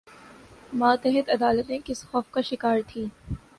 ماتحت عدالتیں کس خوف کا شکار تھیں؟